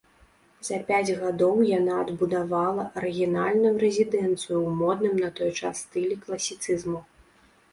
За пяць гадоў яна адбудавала арыгінальную рэзідэнцыю ў модным на той час стылі класіцызму.